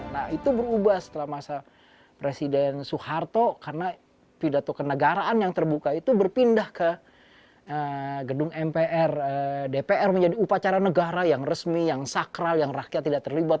nah itu berubah setelah masa presiden soeharto karena pidato kenegaraan yang terbuka itu berpindah ke gedung mpr dpr menjadi upacara negara yang resmi yang sakral yang rakyat tidak terlibat